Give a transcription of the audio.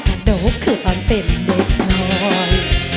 นะครับโดกคือตอนเต้นเด็ดหน่อย